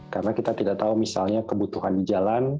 karena kita tidak tahu misalnya kebutuhan di jalan